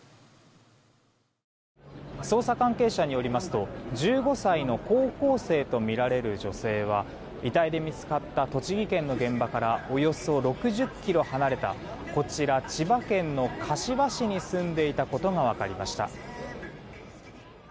捜査関係者によりますと１５歳の高校生とみられる女性は遺体で見つかった栃木県の現場からおよそ６０ｋｍ離れたこちら、千葉県の柏市に住んでいたことが分かりました。